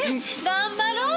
頑張ろう？